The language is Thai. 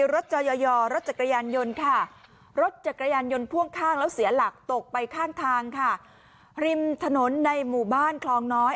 รีมถนนในหมู่บ้านคลองน้อย